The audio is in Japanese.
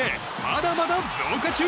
まだまだ増加中！